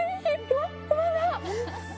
ふわっふわだ！